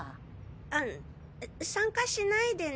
あっ参加しないでね。